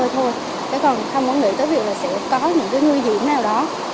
các con không có nghĩ tới việc là sẽ có những người diễn nào đó